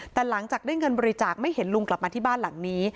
แต่หลังจากได้เงินบริจาคไม่เห็นลุงกลับมาที่บ้านหลังนี้